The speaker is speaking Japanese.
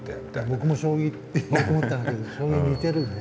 僕も「将棋」って思ったんだけど将棋似てるよね。